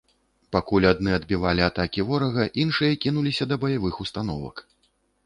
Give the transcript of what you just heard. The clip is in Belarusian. Пакуль адны адбівалі атакі ворага, іншыя кінуліся да баявых установак.